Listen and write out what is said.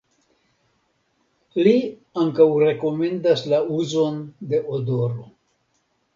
Li ankaŭ rekomendas la uzon de odoro.